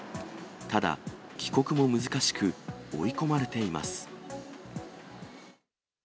ただ、帰国も難しく、追い込まれています。